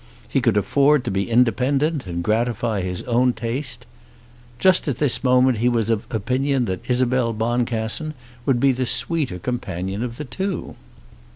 He could afford to be independent, and gratify his own taste. Just at this moment he was of opinion that Isabel Boncassen would be the sweeter companion of the two.